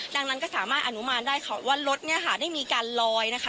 ดังนั้นก็สามารถอนุมานได้ค่ะว่ารถเนี่ยค่ะได้มีการลอยนะคะ